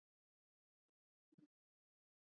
Mlima ule ni mrefu sana.